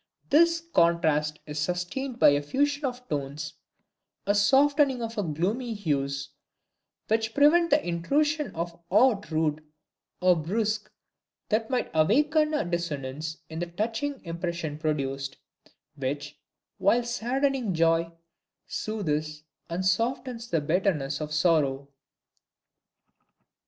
This contrast is sustained by a fusion of tones, a softening of gloomy hues, which prevent the intrusion of aught rude or brusque that might awaken a dissonance in the touching impression produced, which, while saddening joy, soothes and softens the bitterness of sorrow.